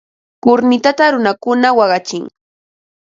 Kurnitata runakuna waqachin.